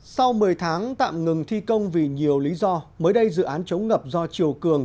sau một mươi tháng tạm ngừng thi công vì nhiều lý do mới đây dự án chống ngập do chiều cường